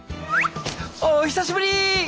お久しぶり！